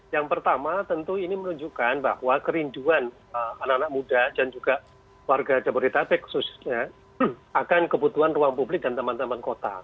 yang pertama tentu ini menunjukkan bahwa kerinduan anak anak muda dan juga warga jabodetabek khususnya akan kebutuhan ruang publik dan teman teman kota